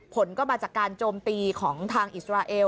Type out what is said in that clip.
ผลก็มาจากการโจมตีของทางอิสราเอล